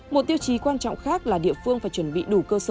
một tiêu chí quan trọng khác là địa phương phải chuẩn bị đủ cơ sở